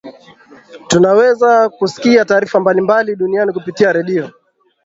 tunaweza kusikia taarifa mbalimbali duniani kupitia redio